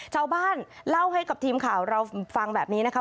ชาวบ้านเล่าให้กับทีมข่าวเราฟังแบบนี้นะคะ